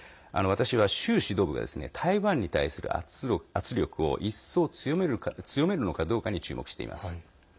私は、習指導部が台湾に対する圧力を一層強めるのかどうかに注目しています。